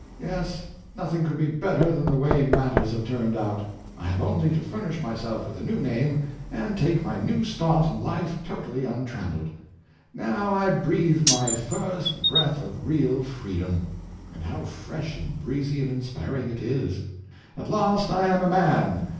Yes, nothing could be better than the way matters have turned out. I have only to furnish myself with a new name, and take my new start in life totally untrammeled. Now I breathe my first breath of real freedom; and how fresh and breezy and inspiring it is! At last I am a man!